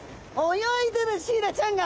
泳いでるシイラちゃんが。